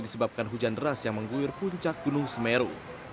disebabkan hujan deras yang mengguyur puncak gunung semeru